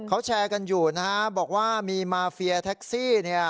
เขาแชร์กันอยู่นะครับบอกว่ามีมาเฟียแท็กซี่